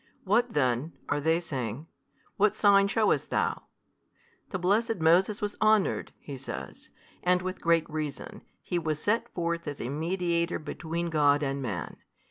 What then (are they saying) What sign shewest THOU? The blessed Moses was honoured (he says) and with great reason, he was set forth as a mediator between God and man.